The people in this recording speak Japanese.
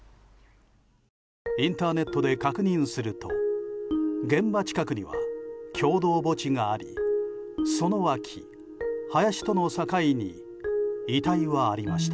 インターネットで確認すると現場近くには共同墓地がありその脇、林との境に遺体はありました。